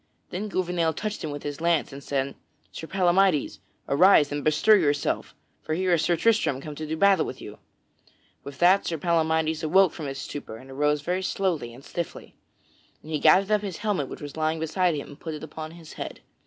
Then Gouvernail touched him with his lance, and said: "Sir Palamydes, arise and bestir yourself, for here is Sir Tristram come to do battle with you." With that, Sir Palamydes awoke from his stupor and arose very slowly and stiffly. And he gathered up his helmet which was lying beside him and put it upon his head.